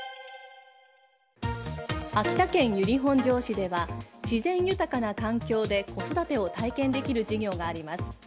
秋田県由利本荘市では自然豊かな環境で子育てを体験できる事業があります。